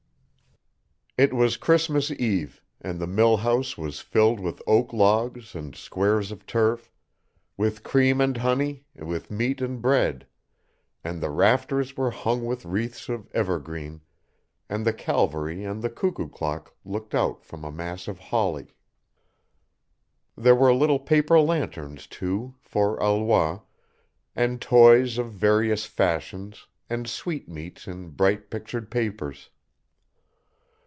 It was Christmas Eve, and the mill house was filled with oak logs and squares of turf, with cream and honey, with meat and bread, and the rafters were hung with wreaths of evergreen, and the Calvary and the cuckoo clock looked out from a mass of holly. There were little paper lanterns, too, for Alois, and toys of various fashions and sweetmeats in bright pictured papers.